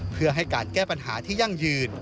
เพื่อให้การแก้ปัญหาที่ยั่งยืน